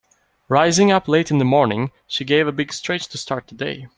Rising up late in the morning she gave a big stretch to start the day.